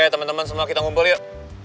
oke temen temen semua kita ngumpul yuk